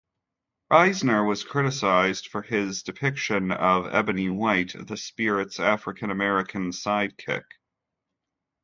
Eisner was criticized for his depiction of Ebony White, the Spirit's African-American sidekick.